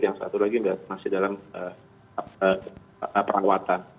yang satu lagi masih dalam perawatan